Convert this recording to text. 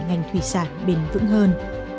ngành thủy sản bền vững hơn